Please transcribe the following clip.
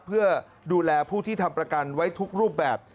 เพื่อดูแลผู้ที่ทำประกันไว้ทุกรูปแบบ